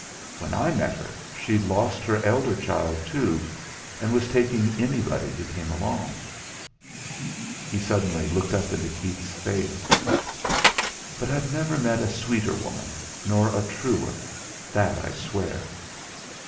When I met her she'd lost her elder child, too, and was taking anybody who came along." He suddenly looked up into Keith's face. "But I've never met a sweeter woman, nor a truer, that I swear.